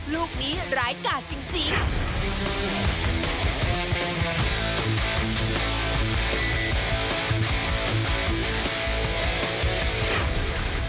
ลูกนี้ร้ายกาดจริง